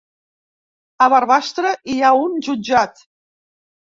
A Barbastre hi ha un jutjat